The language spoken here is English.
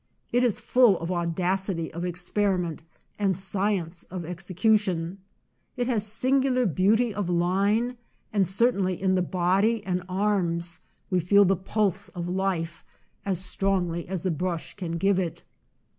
It is full of au dacity of experiment and science of exe cution ; it has singular beauty of line, and certainly in the body and arms we feel the pulse of life as strongly as the brush can give it.